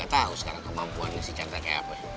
terima kasih meti